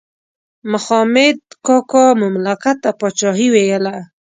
مخامد کاکا مملکت ته پاچاهي ویله.